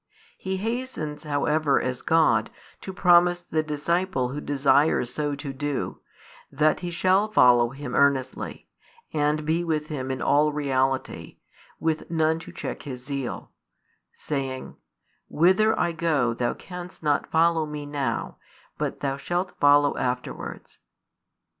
He hastens however, as God, to promise the disciple who desires so to do, that he shall follow Him earnestly, and be with Him in all reality, with none to check his zeal; saying: Whither I go thou canst not follow Me now, but thou shalt follow afterwards.